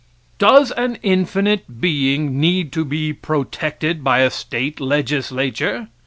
Does an infinite being need to be protected by a State Legislature?